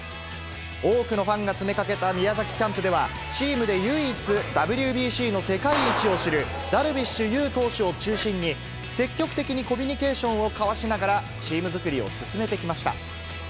多くのファンが詰めかけた宮崎キャンプでは、チームで唯一、ＷＢＣの世界一を知る、ダルビッシュ有投手を中心に、積極的にコミュニケーションを交わしながら、チーム作りを進めてきました。